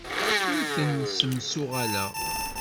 Ur ten-ssemsuɣaleɣ.